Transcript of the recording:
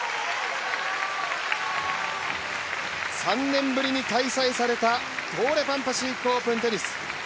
３年ぶりに開催された東レパンパシフィックオープンテニス。